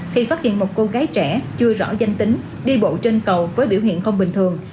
khi phát hiện một cô gái trẻ chưa rõ danh tính đi bộ trên cầu với biểu hiện không bình thường